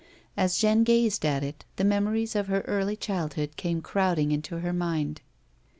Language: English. As Jeanne gazed at it the memories of her early childhood came crowd ing into her mind.